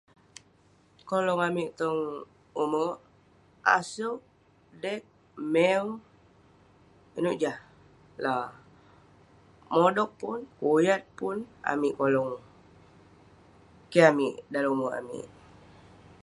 kolong amik tong umek, aseuk, dek, mew, ineuk jah la, modog pun, kuyat pun amik kolong. keh amik dalem umek amik.